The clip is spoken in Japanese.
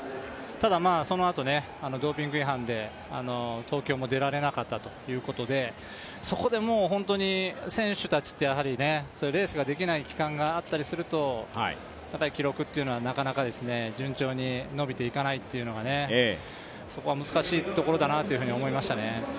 ただそのあと、ドーピング違反で東京も出られなかったということでそこでもう本当に選手たちはレースができない期間があったりすると、記録っていうのは順調に伸びていかないというのはそこは難しいところだなと思いましたね。